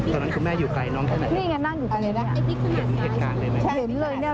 ตอนนั้นคือแม่อยู่ไกลน้องแค่ไหนครับบิ๊กขึ้นหลังจานได้ไหม